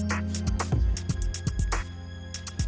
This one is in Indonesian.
tante ini sudah beres